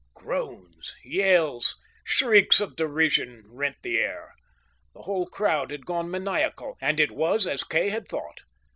Groans, yells, shrieks of derision rent the air. The whole crowd had gone maniacal. And it was as Kay had thought.